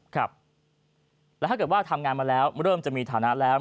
ครับแล้วถ้าเกิดว่าทำงานมาแล้วเริ่มจะมีฐานะแล้ว